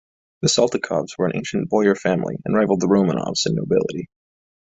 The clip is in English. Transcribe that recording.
The Saltykovs were an ancient Boyar family, and rivalled the Romanovs in nobility.